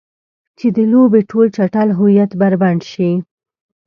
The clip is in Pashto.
چې د لوبې ټول چټل هویت بربنډ شي.